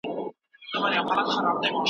تحلیلي میتود تر تشریحي میتود ډېر دقیق وي.